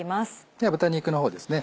では豚肉の方ですね。